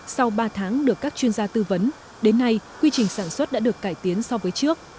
sau ba tháng được các chuyên gia tư vấn đến nay quy trình sản xuất đã được cải tiến so với trước